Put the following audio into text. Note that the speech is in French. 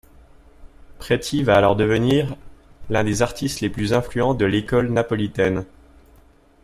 Preti va alors devenir l'un des artistes les plus influents de l'école napolitaine.